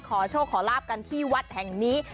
ขอโชคขอลาบกันที่วัดแห่งนี้